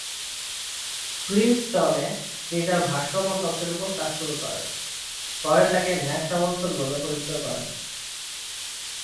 প্রিন্সটন-এ, তিনি তার ভারসাম্য তত্ত্বের উপর কাজ শুরু করেন, পরে তাকে ন্যাশ সমার্থক বলে পরিচিত করেন।